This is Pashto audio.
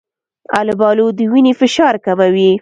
آلوبالو د وینې فشار کموي.